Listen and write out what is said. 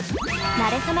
なれそめ！